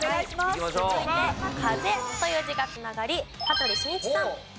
続いて「風」という字が繋がり羽鳥慎一さん。